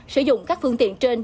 sử dụng các phương tiện trên